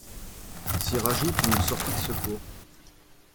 S'y rajoute une sortie de secours.